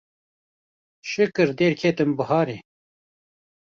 Şikir derketim biharê